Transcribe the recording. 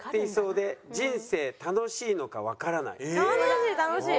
楽しい楽しい！